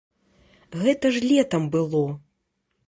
Гэта ж летам было.